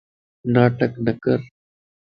ناٽڪ نڪر